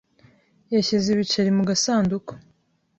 Yashyize ibiceri mu gasanduku.